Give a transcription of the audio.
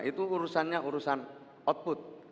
itu urusannya urusan output